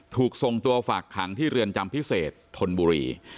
ถูกส่งตัวฝากขังที่เรือนจำพิเศษธนบุรี